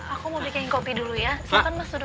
aku mau bikin kopi dulu ya